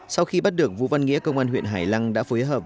sau khi bắt được vũ văn nghĩa công an huyện hải lăng đã phối hợp